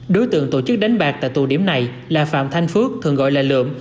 đối tượng tổ chức đánh bạc tại tù điểm này là phạm thanh phước thường gọi là lượm